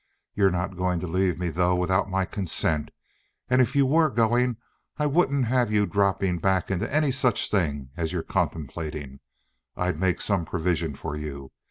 You're not going to leave me though with my consent, and if you were going I wouldn't have you dropping back into any such thing as you're contemplating. I'll make some provision for you.